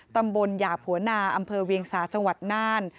ตำบลหยาบหัวนาอำเภอเวียงสาจังหวัดน่าน